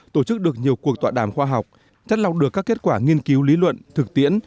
tổ chức được nhiều cuộc tọa đàm khoa học chất lọc được các kết quả nghiên cứu lý luận thực tiễn